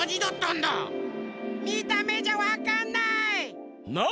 みためじゃわかんない。